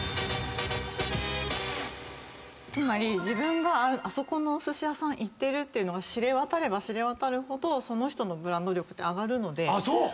自分があそこのお寿司屋さん行ってるっていうのが知れ渡れば知れ渡るほどその人のブランド力って上がるので。